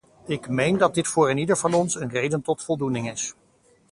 Ik meen dat dit voor eenieder van ons een reden tot voldoening is.